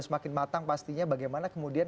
semakin matang pastinya bagaimana kemudian